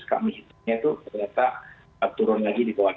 kami hitungnya ternyata turun lagi di bawah tujuh